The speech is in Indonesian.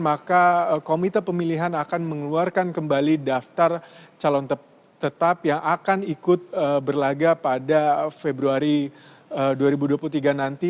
maka komite pemilihan akan mengeluarkan kembali daftar calon tetap yang akan ikut berlaga pada februari dua ribu dua puluh tiga nanti